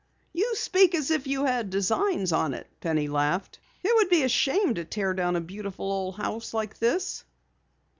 "You speak as if you had designs on it," Penny laughed. "It would be a shame to tear down a beautiful old house such as this."